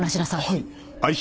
はい。